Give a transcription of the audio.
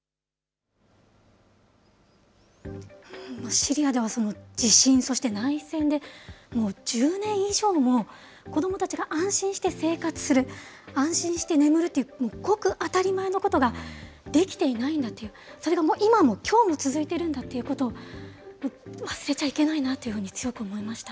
シリアでは地震、そして内戦で１０年以上も、子どもたちが安心して生活する、安心して眠るというごく当たり前のことができていないんだという、それが今も、きょうも続いているんだっていうことを、忘れちゃいけないなというふうに強く思いました。